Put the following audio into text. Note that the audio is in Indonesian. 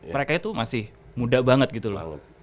mereka itu masih muda banget gitu laut